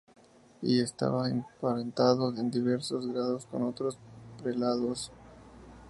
Y estaba emparentado en diversos grados con otros prelados.